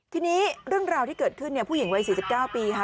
ทีนี้เรื่องราวที่เกิดขึ้นเนี่ยผู้หญิงวัย๔๙ปีค่ะ